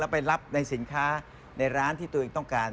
ไปรับในสินค้าในร้านที่ตัวเองต้องการ